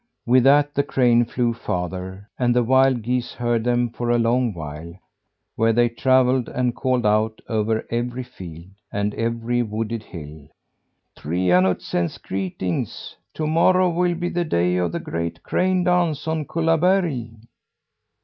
With that, the cranes flew farther; and the wild geese heard them for a long while where they travelled and called out over every field, and every wooded hill: "Trianut sends greetings. To morrow will be the day of the great crane dance on Kullaberg."